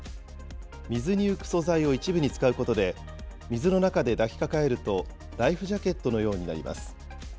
水に浮く素材を一部に使うことで、水の中で抱きかかえると、ライフジャケットのようになります。